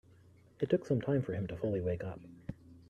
It took some time for him to fully wake up.